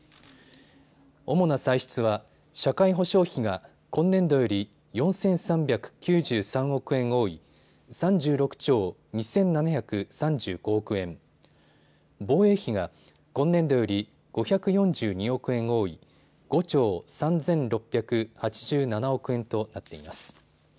主な歳出は社会保障費が今年度より４３９３億円多い３６兆２７３５億円、防衛費が今年度より５４２億円多い５兆３６８７億円となっています。